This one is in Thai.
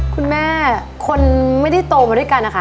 คุณแม่คนไม่ได้โตมาด้วยกันนะคะ